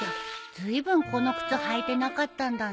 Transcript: ずいぶんこの靴履いてなかったんだね。